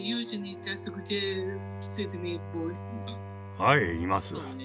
はいいます。